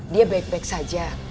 dia baik baik saja